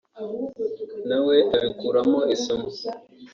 na we abikuramo isomo